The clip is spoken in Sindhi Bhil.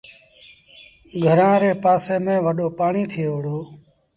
گھرآݩ ري پآسي ميݩ وڏو پآڻيٚ ٿئي وُهڙو۔